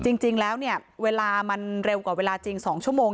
จริงแล้วเนี่ยเวลามันเร็วกว่าเวลาจริง๒ชั่วโมง